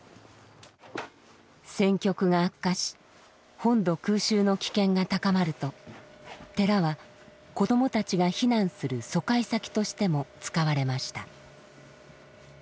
戦局が悪化し本土空襲の危険が高まると寺は子どもたちが避難する疎開先としても使われました。